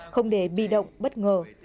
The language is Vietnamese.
không để bi động bất ngờ